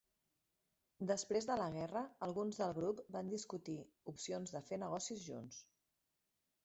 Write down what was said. Després de la guerra, alguns del grup van discutir opcions per fer negocis junts.